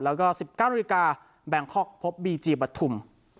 แล้วก็สิบเก้านาฬิกาแบงคอกพบบีจีบทุ่ม